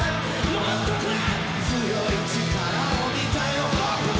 もっとくれ！